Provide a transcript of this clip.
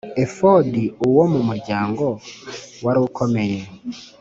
Efodi uwo mu muryango warukomeye